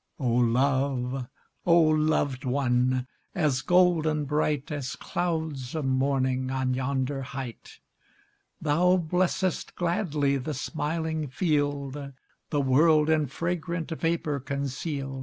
Oh love! oh loved one! As golden bright, As clouds of morning On yonder height! Thou blessest gladly The smiling field, The world in fragrant Vapour conceal'd.